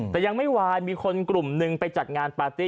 แต่ยังไม่วายมีคนกลุ่มหนึ่งไปจัดงานปาร์ตี้